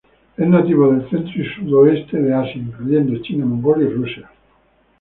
Es nativo del centro y sudoeste de Asia, incluyendo China, Mongolia y Rusia.